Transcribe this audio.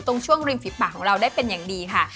ตรงช่วงริมฝีปากของเราได้เป็นอย่างดีค่ะ